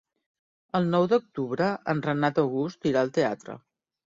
El nou d'octubre en Renat August irà al teatre.